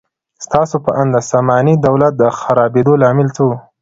ستاسو په اند د ساماني دولت د خرابېدو لامل څه و؟